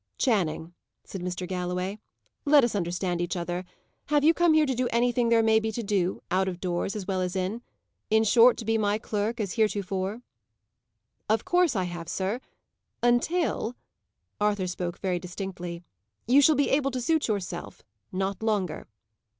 "Channing," said Mr. Galloway, "let us understand each other. Have you come here to do anything there may be to do out of doors as well as in? In short, to be my clerk as heretofore?" "Of course I have, sir; until" Arthur spoke very distinctly "you shall be able to suit yourself; not longer."